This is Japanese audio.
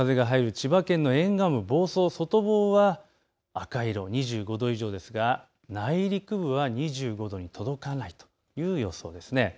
千葉県の沿岸部、房総、外房は赤い色、２５度以上ですが内陸部は２５度に届かないという予想です。